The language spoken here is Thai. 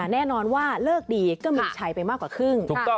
แน่นอนว่าเลิกดีก็มีใช้ไปมากกว่าครึ่ง